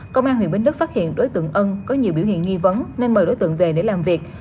công an huyện bến lức phát hiện đối tượng ân có nhiều biểu hiện nghi vấn nên mời đối tượng về để làm việc